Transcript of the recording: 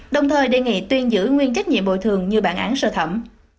đồng thời đề nghị tuyên giữ nguyên trách nhiệm bồi thường như bản án sơ thẩm